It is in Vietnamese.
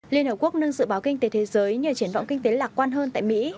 liên hợp quốc nâng dự báo kinh tế thế giới nhờ triển vọng kinh tế lạc quan hơn tại mỹ